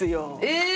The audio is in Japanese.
え！